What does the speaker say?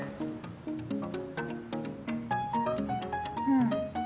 うん。